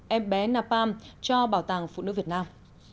em bé napam cho bảo tàng phụ nữ việt nam